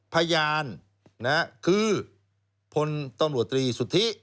พยานคือพลตำรวจตรีสุทธิ